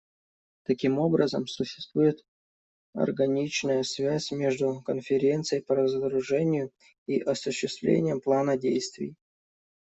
Таким образом, существует органичная связь между Конференцией по разоружению и осуществлением плана действий.